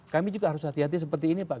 kami juga harus hati hati seperti ini pak